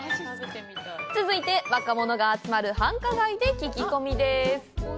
続いて、若者が集まる繁華街で聞き込みです。